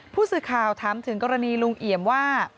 ผู้สื่อข่าวถามถึงกรณีลุงเอี่ยมว่า